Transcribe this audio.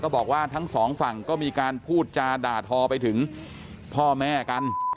บอกว่าทั้งสองฝั่งก็มีการพูดจาด่าทอไปถึงพ่อแม่กัน